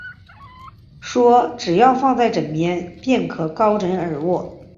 说只要放在枕边，便可高枕而卧